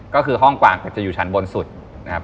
ก็คือห้องกวางจะอยู่ชั้นบนสุดนะครับ